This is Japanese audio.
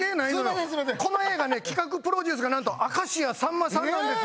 この映画企画・プロデュースが明石家さんまさんなんです。